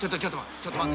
ちょっと待って。